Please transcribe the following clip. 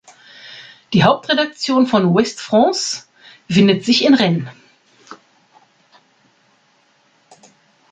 Die Hauptredaktion von Ouest-France befindet sich in Rennes.